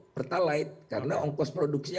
pertalat karena ongkos produksinya